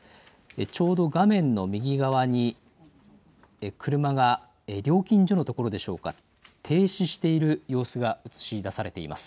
ちょうど画面の右側に車が、料金所のところでしょうか、停止している様子が映し出されています。